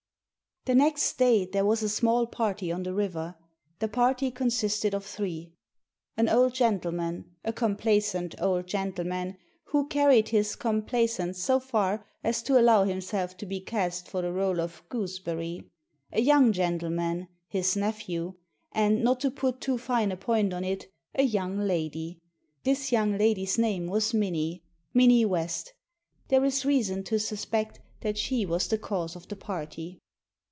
The next day there was a small party on the river. The party consisted of three: an old gentleman — a complacent old gentleman, who carried his com placence so far as to allow himself to be cast for the r61e of "gooseberry"; a young gentleman, his nephew; and, not to put too fine a point on it, a young lady. This young lady's name was Minnie — Minnie West There is reason to suspect that she was the cause of the party.